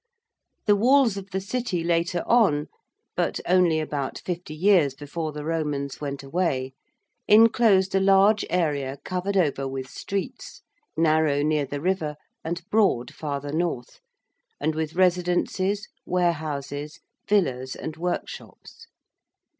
The walls of the City later on, but only about fifty years before the Romans went away, enclosed a large area covered over with streets, narrow near the river and broad farther north, and with residences, warehouses, villas, and workshops.